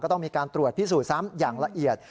ต้องมีการตรวจพิสูจน์ซ้ำอย่างละเอียด